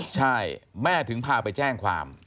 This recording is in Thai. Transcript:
ใช่แม่ถึงพาไปแจ้งความ